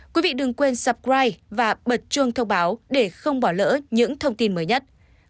quý vị đừng quên supride và bật chuông thông báo để không bỏ lỡ những thông tin mới nhất